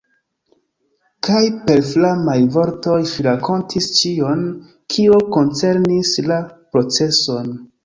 Kaj per flamaj vortoj ŝi rakontis ĉion, kio koncernis la proceson.